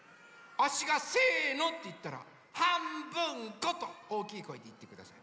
あっしが「せの」っていったら「はんぶんこ」とおおきいこえでいってください。